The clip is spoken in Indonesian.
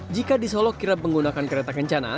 jika di solo kira menggunakan kereta kencana